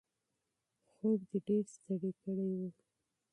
خوب دی ډېر ستړی کړی و.